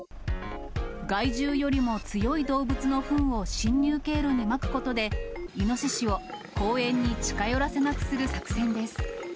害獣よりも強い動物のふんを侵入経路にまくことで、イノシシを公園に近寄らせなくする作戦です。